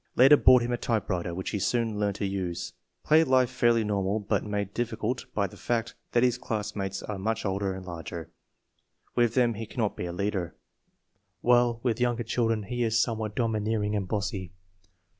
Later bought him a typewriter, which he soon learned to use." Play life fairly normal, but made difficult by the fact that his classmates are much older and larger. With them he cannot be a leader, while with younger children he is somewhat domineering and bossy.